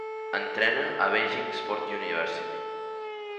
Entrena a Beijing Sport University.